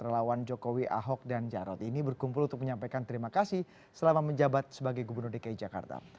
relawan jokowi ahok dan jarot ini berkumpul untuk menyampaikan terima kasih selama menjabat sebagai gubernur dki jakarta